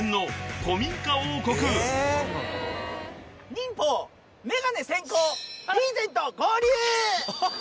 忍法眼鏡先行リーゼント合流！